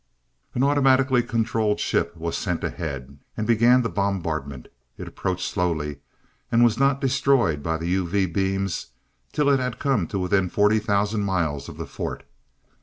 An automatically controlled ship was sent ahead, and began the bombardment. It approached slowly, and was not destroyed by the UV beams till it had come to within 40,000 miles of the fort.